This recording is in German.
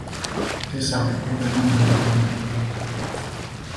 Dessau“ übernommen worden.